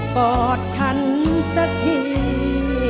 กอดฉันสักที